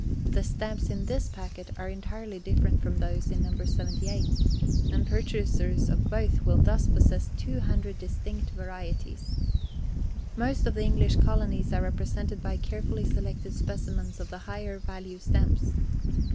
The stamps in this packet are entirely different from those in No. 78, and purchasers of both will thus possess two hundred distinct varieties. Most of the English Colonies are represented by carefully selected specimens of the higher value stamps.